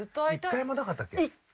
１回もなかったっけ？